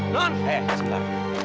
non eh sebentar